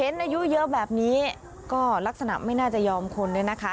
อายุเยอะแบบนี้ก็ลักษณะไม่น่าจะยอมคนเนี่ยนะคะ